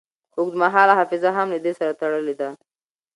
اوږدمهاله حافظه هم له دې سره تړلې ده.